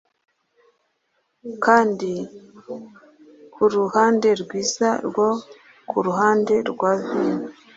Kandi kuruhande rwiza rwo kuruhande rwa vino